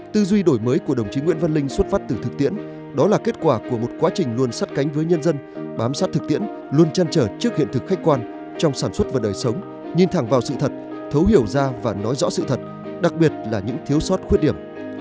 tư duy đổi mới của đồng chí nguyễn văn linh xuất phát từ thực tiễn đó là kết quả của một quá trình luôn sắt cánh với nhân dân bám sát thực tiễn luôn chăn trở trước hiện thực khách quan trong sản xuất và đời sống nhìn thẳng vào sự thật thấu hiểu ra và nói rõ sự thật đặc biệt là những thiếu sót khuyết điểm